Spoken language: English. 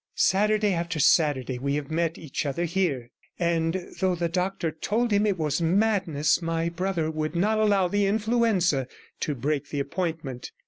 Saturday after Saturday we have met each other here; and though the doctor told him it was madness, my brother would not allow the influenza to break the appointment.